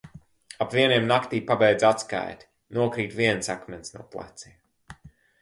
Ap vieniem naktī pabeidzu atskaiti. Nokrīt viens akmens no pleciem.